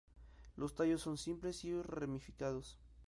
Los tallos son simples o ramificados.